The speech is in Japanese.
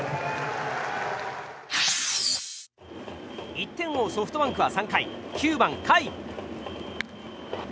１点を追うソフトバンクは３回９番、甲斐。